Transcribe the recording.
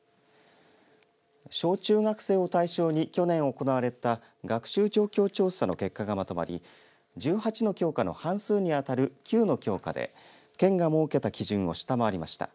小中学生を対象に去年行われた学習状況調査の結果がまとまり１８の教科の半数に当たる９の教科で県が設けた基準を下回りました。